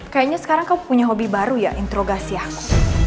kayaknya sekarang kamu punya hobi baru ya interogasi aku